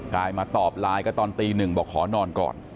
กายมาตอบไลน์ก็ตอนตีหนึ่งบอกขอนอนก่อน